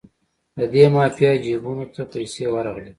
د دې مافیا جیبونو ته پیسې ورغلې.